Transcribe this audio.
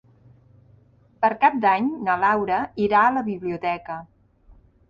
Per Cap d'Any na Laura irà a la biblioteca.